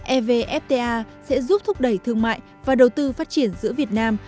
evfta sẽ giúp thúc đẩy thương mại và đầu tư phát triển giữa việt nam